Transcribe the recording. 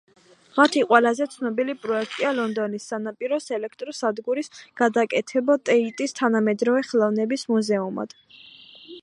მათი ყველაზე ცნობილი პროექტია ლონდონის სანაპიროს ელექტრო სადგურის გადაკეთება ტეიტის თანამედროვე ხელოვნების მუზეუმად.